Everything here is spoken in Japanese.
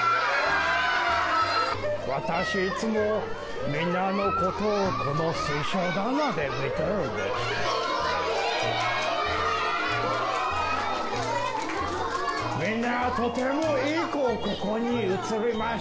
私、いつもみんなのことをこの水晶玉で見てるんです。